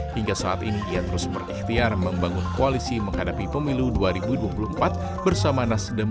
hingga saat ini ia terus berikhtiar membangun koalisi menghadapi pemilu dua ribu dua puluh empat bersama nasdem